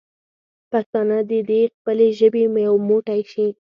پښتانه دې د خپلې ژبې لپاره یو موټی شي.